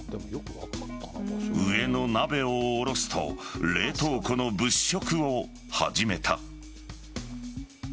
上の鍋を降ろすと冷凍庫の物色を始めた。